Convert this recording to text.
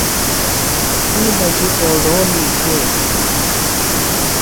تی مجیۡ اوڈھول نِکھیتیۡ۔